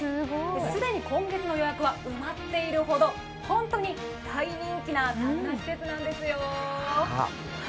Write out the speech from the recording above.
既に今月の予約は埋まっているほど、本当に大人気なサウナ施設なんですよ。